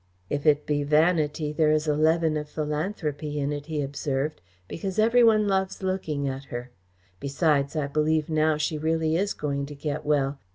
"If it be vanity, there is a leaven of philanthropy in it," he observed, "because every one loves looking at her. Besides, I believe now she really is going to get well.